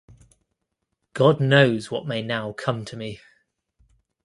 God knows what may now come to me!